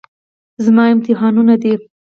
زما امتحانونه دي.